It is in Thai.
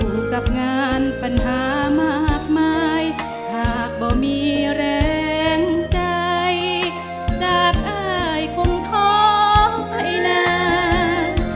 อยู่กับงานปัญหามากมายหากบ่มีแรงใจจากอายคงท้อไปนาน